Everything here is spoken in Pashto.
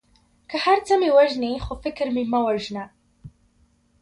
که هر څه مې وژنې خو فکر مې مه وژنه.